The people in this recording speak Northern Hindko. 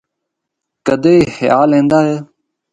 کدے اے خیال ایندا ہے۔